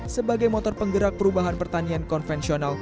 sebagai motor penggerak perubahan pertanian konvensional